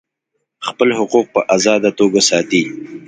خپل حقوق په آزاده توګه ساتي.